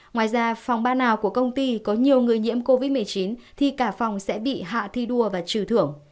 ngoài ra phòng ban nào của công ty có nhiều người nhiễm covid một mươi chín thì cả phòng sẽ bị hạ thi đua và trừ thưởng